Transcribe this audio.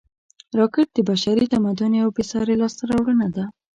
راکټ د بشري تمدن یوه بېساري لاسته راوړنه ده